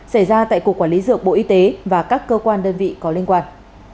xảy ra tại cục quản lý dược bộ y tế và các cơ quan đơn vị có liên quan